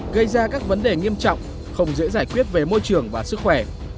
gây ra các vấn đề nghiêm trọng không dễ giải quyết về môi trường và sức khỏe